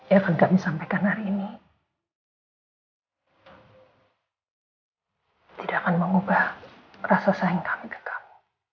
yang akan kami sampaikan hari ini tidak akan mengubah rasa sayang kami ke kamu